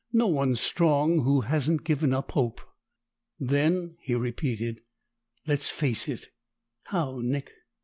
No one's strong who hasn't given up hope." "Then," he repeated, "let's face it!" "How, Nick?"